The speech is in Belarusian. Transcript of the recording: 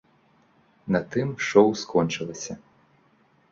На тым шоў скончылася.